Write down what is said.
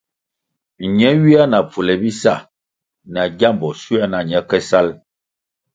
Ne ywia na pfule bisa na gyambo shuē na ñe ke salʼ.